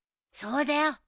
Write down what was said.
そうだよ。